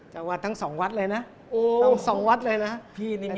จังหวัดทั้งสองวัดเลยนะ